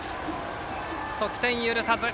得点許さず。